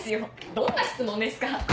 どんな質問ですか？